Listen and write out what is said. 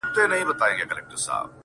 ستا د ږغ څــپــه . څـپه .څپــه نـه ده.